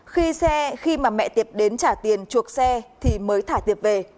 khi xe khi mà mẹ tiệp đến trả tiền chuộc xe thì mới thả tiệp về